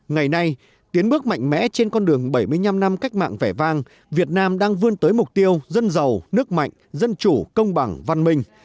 ngày nay tiến bước mạnh mẽ trên con đường bảy mươi năm năm cách mạng vẻ vang việt nam đang vươn tới mục tiêu dân giàu nước mạnh dân chủ công bằng văn minh